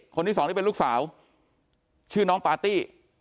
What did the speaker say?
คนที่สองที่เป็นลูกสาวชื่อน้องปาร์ตี้